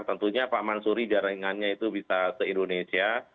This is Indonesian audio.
tentunya pak mansuri jaringannya itu bisa se indonesia